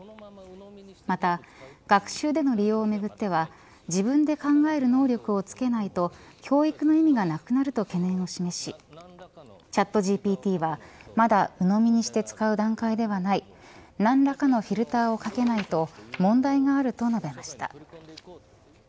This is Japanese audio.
また、学習での利用をめぐっては自分で考える能力をつけないと教育の意味がなくなると懸念を示しチャットＧＰＴはまだ、うのみにして使う段階ではない何らかのフィルターを掛けないと問題があると述べました。